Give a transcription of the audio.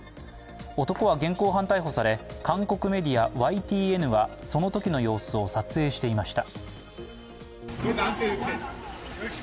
男は現行犯逮捕されて韓国メディア、ＹＴＮはそのときの様子を撮影していました。